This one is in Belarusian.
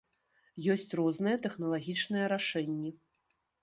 Ёсць розныя тэхналагічныя рашэнні.